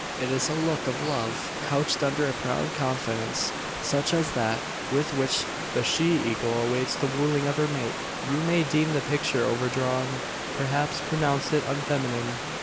It is a look of love couched under a proud confidence, such as that with which the she eagle awaits the wooing of her mate. You may deem the picture overdrawn perhaps pronounce it unfeminine.